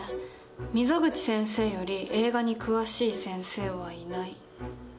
溝口先生より映画に詳しい先生はいない。